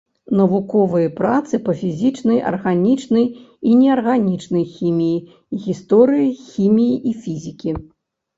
Навуковыя працы па фізічнай, арганічнай і неарганічнай хіміі, гісторыі хіміі і фізікі.